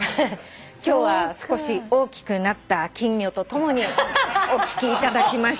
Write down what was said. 今日は少し大きくなった金魚とともにお聞きいただきました。